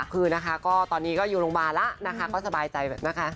คือนะคะก็ตอนนี้ก็อยู่โรงพยาบาลแล้วนะคะก็สบายใจนะคะ